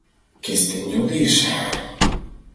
— Кестен йодеш.